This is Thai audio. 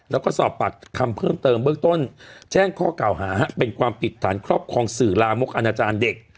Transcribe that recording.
แล้วก็สอบปากคำเพิ่มเติมเบื้องต้นแจ้งข้อกล่าวหาเป็นความผิดฐานครอบครองสื่อลามกอนาจารย์เด็ก